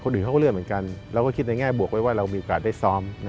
อื่นเขาก็เลื่อนเหมือนกันเราก็คิดในแง่บวกไว้ว่าเรามีโอกาสได้ซ้อม